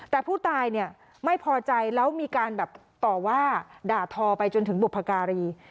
แต่ผู้ตายเนี่ยไม่พอใจแล้วมีการแบบต่อว่าด่าทอไปจนถึงบุพการี